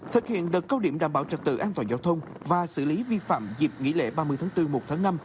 thực hiện đợt câu điểm đảm bảo trật tự an toàn giao thông và xử lý vi phạm dịp nghỉ lễ ba mươi tháng bốn một tháng năm